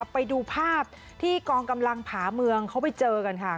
ไปดูภาพที่กองกำลังผาเมืองเขาไปเจอกันค่ะ